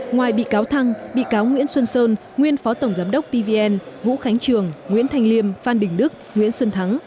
ngoài bị cáo thăng bị cáo nguyễn xuân sơn nguyên phó tổng giám đốc pvn vũ khánh trường nguyễn thanh liêm phan đình đức nguyễn xuân thắng